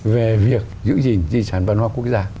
về việc giữ gìn di sản văn hóa quốc gia